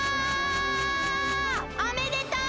おめでとう！